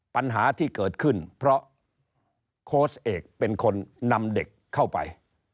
ปัญหาที่เกิดขึ้นเพราะโค้ชเอกเป็นคนนำเด็กเข้าไป